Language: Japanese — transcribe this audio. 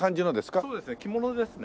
そうですね着物ですね。